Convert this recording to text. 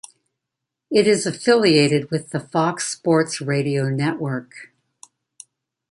It is affiliated with the Fox Sports Radio network.